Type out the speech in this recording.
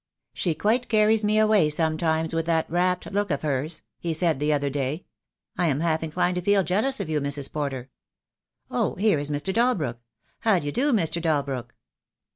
'She quite carries me away sometimes with that rapt look of hers,' he said the other day. I am half inclined to feel jealous of you, Mrs. Porter. Oh, here is Mr. Dalbrook. How d'ye do, Mr. Dalbrook?"